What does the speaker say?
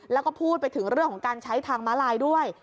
แล้วก็พูดไปถึงเรื่องของการใช้ทางม้าลายด้วย